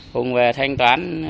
hùng về thanh toán